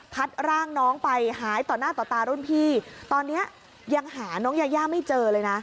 ร่างน้องไปหายต่อหน้าต่อตารุ่นพี่ตอนเนี้ยยังหาน้องยาย่าไม่เจอเลยนะ